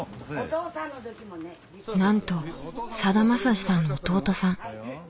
なんとさだまさしさんの弟さん。